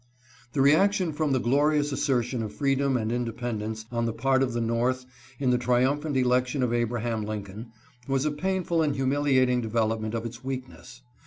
The reaction from the glorious assertion of freedom and independence on the part of the North in the tri umphant election of Abraham Lincoln, was a painful and humiliating development of its weakness.